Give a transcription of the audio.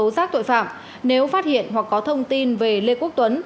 xác tội phạm nếu phát hiện hoặc có thông tin về lê quốc tuấn